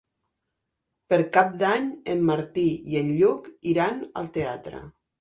Per Cap d'Any en Martí i en Lluc iran al teatre.